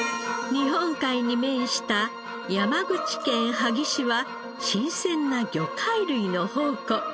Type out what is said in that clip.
日本海に面した山口県萩市は新鮮な魚介類の宝庫。